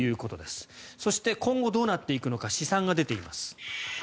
そして、今後どうなっていくのか試算が出ています。